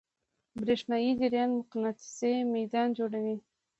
برېښنایی جریان مقناطیسي میدان جوړوي.